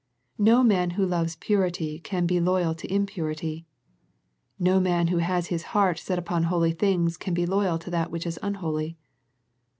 No man who loves purity can be loyal to impurity. No man that has his heart set upon holy things can be loyal to that which is unholy.